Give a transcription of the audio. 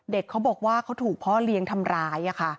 เขาบอกว่าเขาถูกพ่อเลี้ยงทำร้าย